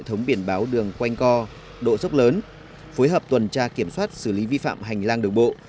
hệ thống biển báo đường quanh co độ dốc lớn phối hợp tuần tra kiểm soát xử lý vi phạm hành lang đường bộ